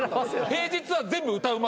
平日は全部歌うま